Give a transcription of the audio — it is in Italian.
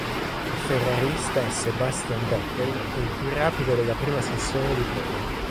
Il ferrarista Sebastian Vettel è il più rapido della prima sessione di prove.